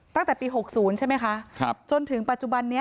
ตั้งแต่ปีหกศูนย์ใช่ไหมคะครับจนถึงปัจจุบันนี้